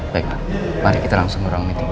baik pak mari kita langsung ke ruang meeting